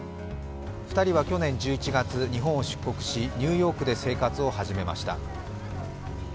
２人は去年１１月、日本を出国しニューヨークで生活を始めました。